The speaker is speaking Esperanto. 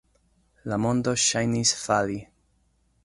La mondo ŝajnis fali.